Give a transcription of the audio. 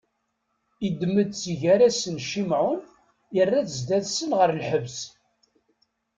Iddem-d si gar-asen Cimɛun, irra-t zdat-nsen ɣer lḥebs.